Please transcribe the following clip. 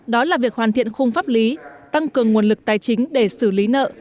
đó là việc hoàn thiện khung pháp lý tăng cường nguồn lực tài chính để xử lý nợ